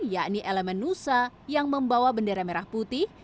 yakni elemen nusa yang membawa bendera merah putih